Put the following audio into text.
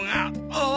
はあ。